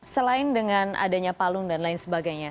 selain dengan adanya palung dan lain sebagainya